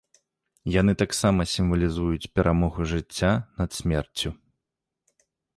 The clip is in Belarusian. Яны таксама сімвалізуюць перамогу жыцця над смерцю.